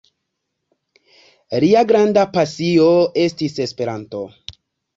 Lia granda pasio estis Esperanto.